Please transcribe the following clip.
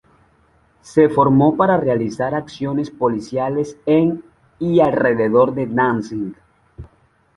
Se formó para realizar acciones policiales en y alrededor de Danzig.